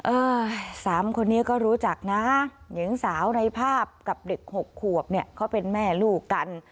สามคนนี้ก็รู้จักนะหญิงสาวในภาพกับเด็ก๖ขวบเนี่ยเขาเป็นแม่ลูกกัน